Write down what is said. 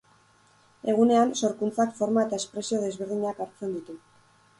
Egunean, sorkuntzak forma eta espresio desberdinak hartzen ditu.